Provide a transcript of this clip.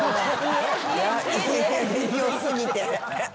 良過ぎて。